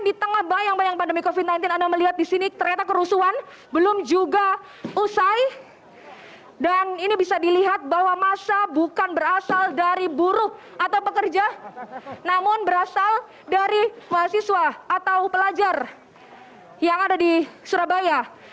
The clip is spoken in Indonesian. di tengah bayang bayang pandemi covid sembilan belas anda melihat di sini ternyata kerusuhan belum juga usai dan ini bisa dilihat bahwa masa bukan berasal dari buruh atau pekerja namun berasal dari mahasiswa atau pelajar yang ada di surabaya